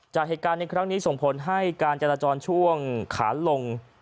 จากเหตุการณ์ในครั้งนี้ส่งผลให้การจราจรช่วงขาลง